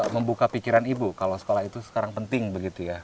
membuka pikiran ibu kalau sekolah itu sekarang penting begitu ya